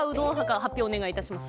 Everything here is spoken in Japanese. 発表お願いします。